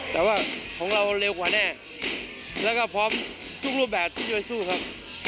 แต่ว่าของเราเร็วกว่าแน่แล้วก็พร้อมทุกรูปแบบที่จะสู้ครับ